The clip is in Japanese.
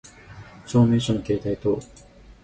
証明書の携帯等